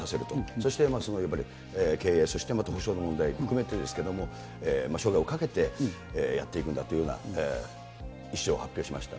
そして経営、そして補償の問題を含めてですけれども、生涯をかけてやっていくんだというような意志を発表しました。